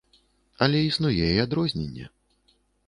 Але існуе і адрозненне.